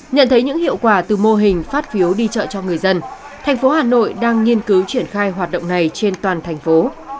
nhận thấy những hiệu quả từ mô hình phát phiếu đi chợ cho người dân thành phố hà nội đang nghiên cứu triển khai hoạt động này trên toàn thành phố